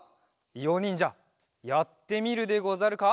いおにんじゃやってみるでござるか？